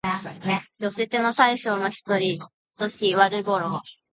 寄せ手の大将の一人、土岐悪五郎